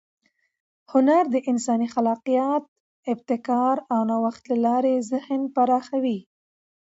هنر د انساني خلاقیت، ابتکار او نوښت له لارې ذهن پراخوي.